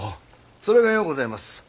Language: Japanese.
それがようございます。